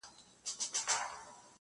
ســتا لپـــاره خــــو دعـــــا كـــــړم